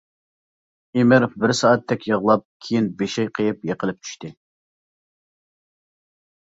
ئىمىر بىر سائەتتەك يىغلاپ كېيىن بېشى قېيىپ يىقىلىپ چۈشتى.